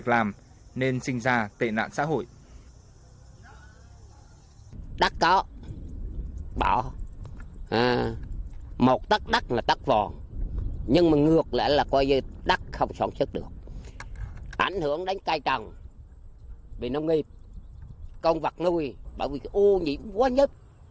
các công an việc làm nên sinh ra tệ nạn xã hội